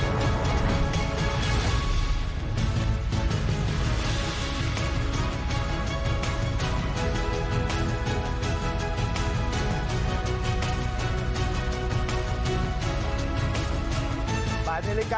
มันก็เกือบมากเลยนะครับ